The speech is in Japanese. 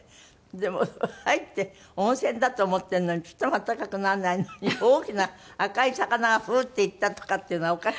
でも入って温泉だと思ってるのにちっとも温かくならないのに大きな赤い魚がフーッて行ったとかっていうのはおかしいわね。